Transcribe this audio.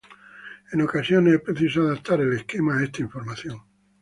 En ocasiones, es preciso adaptar el esquema a esta información.